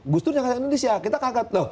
gusdur yang kata indonesia kita kaget